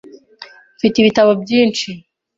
Mfite ibitabo byinshi .